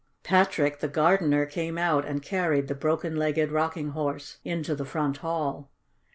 Patrick, the gardener, came out and carried the broken legged Rocking Horse into the front hall.